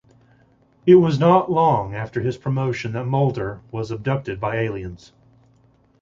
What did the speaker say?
It was not long after his promotion that Mulder was abducted by aliens.